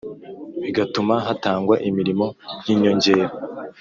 bigatuma hatangwa imirimo y inyongera